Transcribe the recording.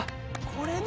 これだ。